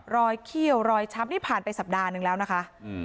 เขี้ยวรอยช้ำนี่ผ่านไปสัปดาห์นึงแล้วนะคะ